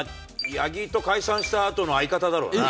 八木と解散したあとの相方だろうな。